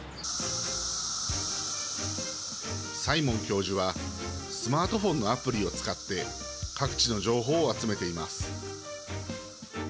サイモン教授はスマートフォンのアプリを使って各地の情報を集めています。